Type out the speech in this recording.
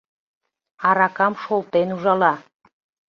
Аракам шолтен ужала.